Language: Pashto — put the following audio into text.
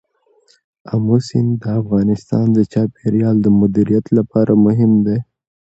آمو سیند د افغانستان د چاپیریال د مدیریت لپاره مهم دی.